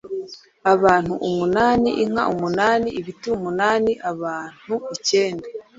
Abantu umunani, inka umunani, ibiti umunani, abantu ikenda,